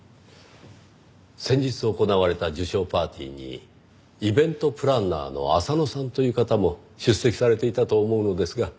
先日行われた受賞パーティーにイベントプランナーの浅野さんという方も出席されていたと思うのですが。